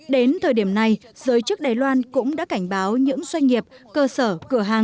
đến thời điểm này giới chức đài loan cũng đã cảnh báo những doanh nghiệp cơ sở cửa hàng